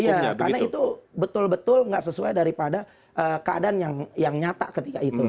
iya karena itu betul betul nggak sesuai daripada keadaan yang nyata ketika itu